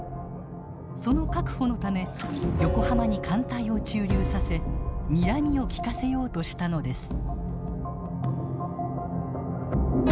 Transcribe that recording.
その確保のため横浜に艦隊を駐留させにらみを利かせようとしたのです。